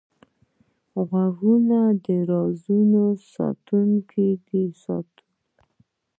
غوږونه د رازونو ساتونکی وي